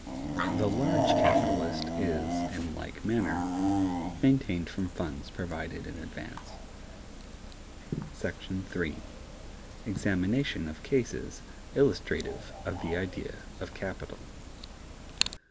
The large capitalist is, in like manner, maintained from funds provided in advance. § 3. Examination of Cases Illustrative of the Idea of Capital.